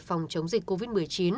phòng chống dịch covid một mươi chín